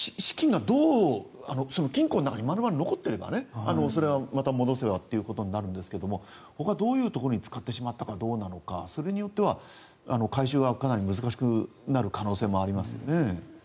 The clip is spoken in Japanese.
金庫の中に丸々残っていればそれはまた戻せばってことになるんですが他、どういうところに使ってしまったのかどうかそれによっては回収がかなり難しくなる可能性もありますよね。